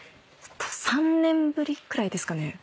３年ぶりくらいですかね。